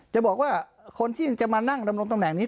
จะบอกว่าคนที่จะมานั่งดำรงตำแหน่งนี้